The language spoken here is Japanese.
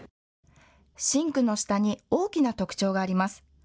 シンクの下に大きな特徴があります。